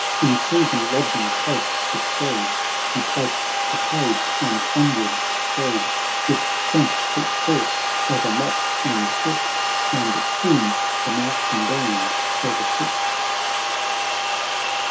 — In sylvan lodging close bestowed, He placed the page, and onward strode With strength put forth, o'er moss and brook, And soon the marching band o'ertook.